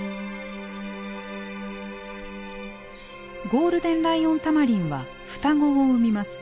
ゴールデンライオンタマリンは双子を産みます。